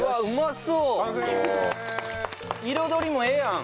彩りもええやん。